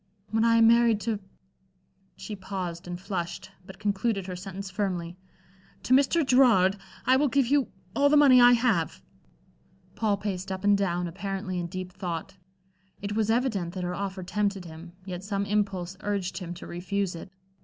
When I am married to" she paused and flushed, but concluded her sentence firmly "to Mr. Gerard, I will give you all the money I have." Paul paced up and down, apparently in deep thought. It was evident that her offer tempted him, yet some impulse urged him to refuse it.